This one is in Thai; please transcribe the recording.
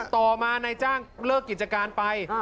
ต่อมานายจ้างเลิกกิจการไป